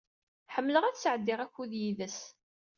Ḥemmleɣ ad sɛeddiɣ akud yid-s.